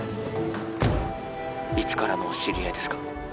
いつからのお知り合いですか？